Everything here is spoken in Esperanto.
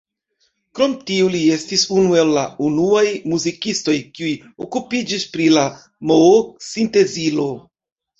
Krom tio li estis unu el la unuaj muzikistoj, kiuj okupiĝis pri la Moog-sintezilo.